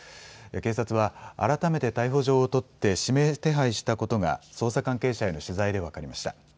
警察は改めて逮捕状を取って指名手配したことが捜査関係者への取材で分かりました。